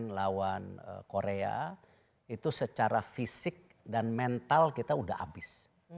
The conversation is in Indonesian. lawan korea itu secara fisik dan mental kita sudah habis